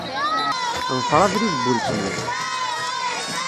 Ḍfeṛ abrid n weltma-k.